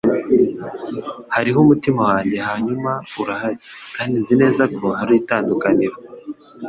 Hariho umutima wanjye, hanyuma urahari, kandi sinzi neza ko hari itandukaniro